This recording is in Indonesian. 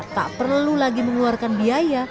tak perlu lagi mengeluarkan biaya